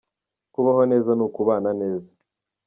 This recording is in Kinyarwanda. Kubaho neza nu kubana neza.